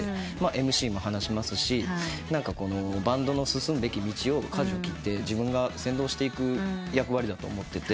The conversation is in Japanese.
ＭＣも話しますしバンドの進むべき道をかじを切って自分が先導していく役割だと思ってて。